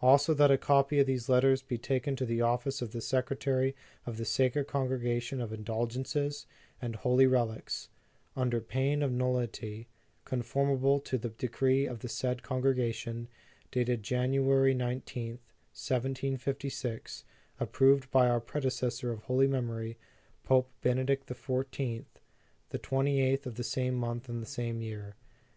"Also, that a copy of these letters be taken to the Office of the Secretary of the Sacred Congregation of Indulgences and Holy Rel ics, under pain of nullity, conformably to the decree of the said Congregation, dated Jan uary i Qth, 1756, approved by our predecessor of holy memory, Pope Benedict XIV, the 28th of the same month and the same year.